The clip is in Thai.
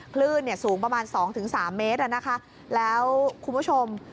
คลื่นเนี่ยสูงประมาณสองถึงสามเมตรนะคะแล้วคุณผู้ชม